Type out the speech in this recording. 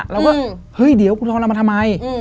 เราก็เฮ้ยเดี๋ยวกูทรเอามาทำไม